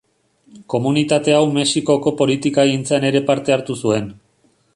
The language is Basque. Komunitate hau Mexikoko politikagintzan ere parte hartu zuen.